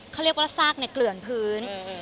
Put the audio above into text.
เขาเรียกว่าซากเกลื่อนพื้น